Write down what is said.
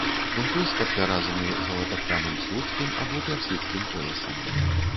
Кунтуш падпяразаны залататканым слуцкім або персідскім поясам.